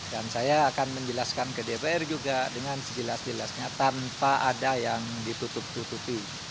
dan saya akan menjelaskan ke dpr juga dengan sejelas jelasnya tanpa ada yang ditutup tutupi